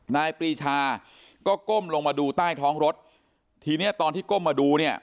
นายปรีชาก็ก้มลงมาดูใต้ท้องรถทีเนี้ยตอนที่ก้มมาดูเนี่ย